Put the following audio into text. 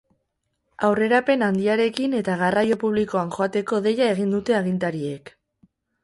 Aurrerapen handiarekin eta garraio publikoan joateko deia egin dute agintariek.